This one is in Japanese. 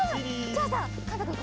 じゃあさかんたくん